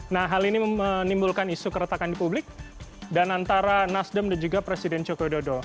nah hal ini menimbulkan isu keretakan di publik dan antara nasdem dan juga presiden joko widodo